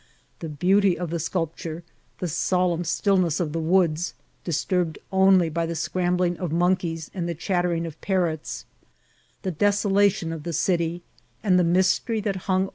The beauty of the sculpture, the solemn stillness of the woods, disturbed <Hily by the scrambling of monkeys and the chattering of parrots, the desolation of the city, and the mystery that hung IM IHCIDBMTS OF TRATBL.